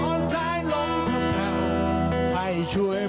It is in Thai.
คุณคงจะพูดว่าคุณสนองร้องเพลงได้ไหม